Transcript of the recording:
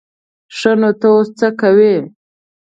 ښه نو ته اوس څه کوې؟